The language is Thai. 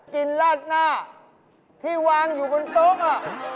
ลาดหน้าที่วางอยู่บนโต๊ะ